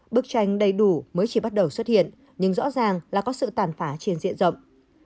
bức tranh đầy đủ mới chỉ bắt đầu xuất hiện nhưng rõ ràng là có sự tàn phá trên diện rộng